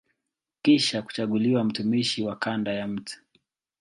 Kisha kuchaguliwa mtumishi wa kanda ya Mt.